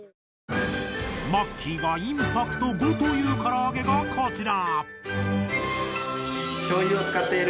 マッキーがインパクト５というから揚げがこちら！